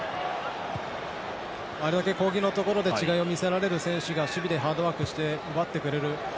あれだけ攻撃のところで違いを見せられる選手が守備でハードワークして奪ってくれる。